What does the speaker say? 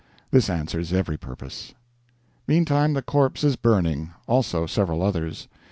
This answers every purpose. Meantime the corpse is burning, also several others.